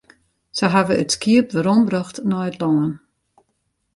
Se hawwe it skiep werombrocht nei it lân.